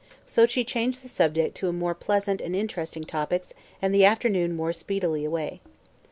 So she changed the subject to more pleasant and interesting topics and the afternoon wore speedily away.